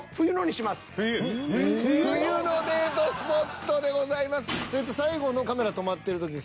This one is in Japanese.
「冬のデートスポット」でございます。